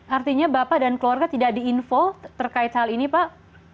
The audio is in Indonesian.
artinya bapak dan keluarga tidak diinfo terkait hal ini pak